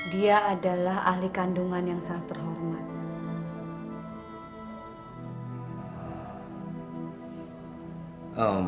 dia adalah ahli kandungan yang sangat terhormat